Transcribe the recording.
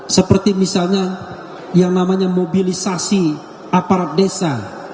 seperti misalnya yang namanya mobilisasi aparat desa